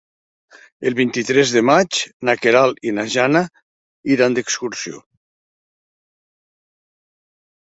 El vint-i-tres de maig na Queralt i na Jana iran d'excursió.